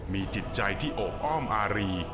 มีจิตใจที่โอบอ้อมอารี